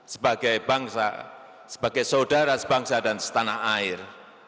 sebagai bangsa sebagai saudara sebangsa dan setanah air